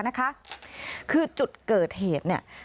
คือจุดเกิดเหตุเนี่ย